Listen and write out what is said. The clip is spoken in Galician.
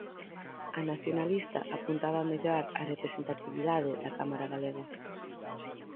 A nacionalista apuntaba a mellorar a representatividade da Cámara galega.